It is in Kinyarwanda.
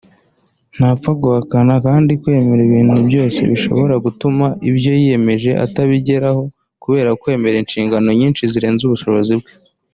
ntapfa guhakana kandi kwemera ibintu byose bishobora gutuma ibyo yiyemeje atabigeraho kubera kwemera inshingano nyinshi rizerenze ubushobozi bwe